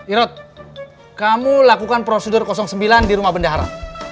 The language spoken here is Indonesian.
irot kamu lakukan prosedur sembilan di rumah bendahara